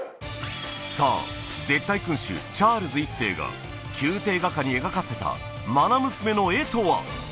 さぁ絶対君主チャールズ１世が宮廷画家に描かせたまな娘の絵とは？